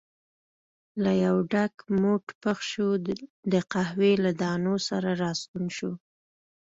له یو ډک موټ پخ شوو د قهوې له دانو سره راستون شو.